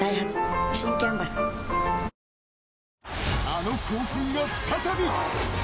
［あの興奮が再び。